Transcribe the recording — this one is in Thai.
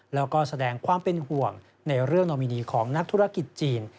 แล้วก็แสดงความเป็นห่วงในเรื่องโนมินีของนักธุรกิจจีน